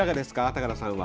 高田さんは。